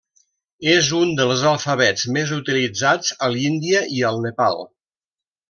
És un dels alfabets més utilitzats a l'Índia i al Nepal.